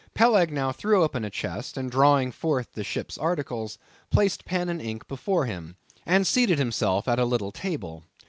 Peleg now threw open a chest, and drawing forth the ship's articles, placed pen and ink before him, and seated himself at a little table.